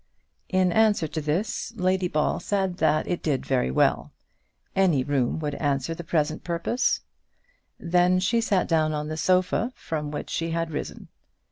In answer to this, Lady Ball said that it did very well. Any room would answer the present purpose. Then she sat down on the sofa from which she had risen.